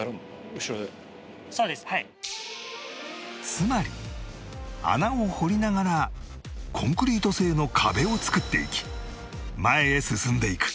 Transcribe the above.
つまり穴を掘りながらコンクリート製の壁を作っていき前へ進んでいく